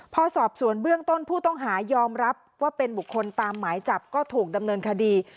พอสอบสวนเบื้องต้นผู้ต้องหายอมรับว่าเป็นบุคคลตามหมายจับก็ถูกดำเนินคดี